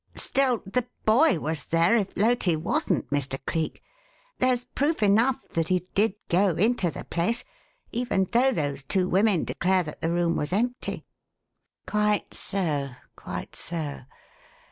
"Still the boy was there if Loti wasn't, Mr. Cleek. There's proof enough that he did go into the place even though those two women declare that the room was empty." "Quite so, quite so.